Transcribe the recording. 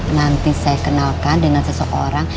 nanti saya kenalkan dengan seseorang